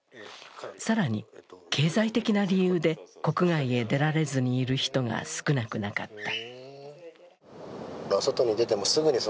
更に、経済的な理由で国外へ出られずにいる人が少なくなかった。